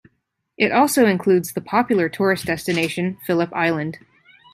It also includes the popular tourist destination, Phillip Island.